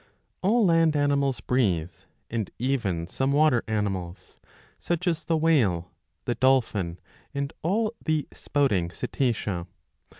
^ All land animals breathe, and even some water animals, such as the whale,* the dolphin, and all the spouting Cetacea.